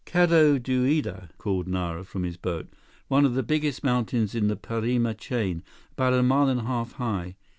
"Cerro Duida," called Nara, from his boat. "One of the biggest mountains in the Parima chain, about a mile and a half high.